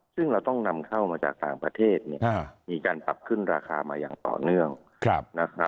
ซึ่งเราต้องนำเข้ามาจากต่างประเทศมีการปรับขึ้นราคามาอย่างต่อเนื่อง